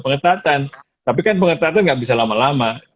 pengetatan tapi kan pengetatan nggak bisa lama lama